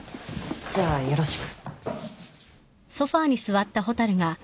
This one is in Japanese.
じゃあよろしく。